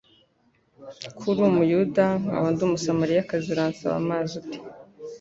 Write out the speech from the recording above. Ko uri Umuyuda nkaba Umunyasamariyakazi, uransaba amazi ute?”